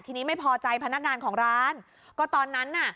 ทีนี้ไม่พอใจพนักงานของร้านก็ตอนนั้นน่ะ